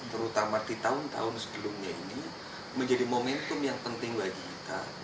terutama di tahun tahun sebelumnya ini menjadi momentum yang penting bagi kita